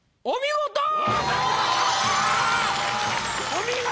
お見事！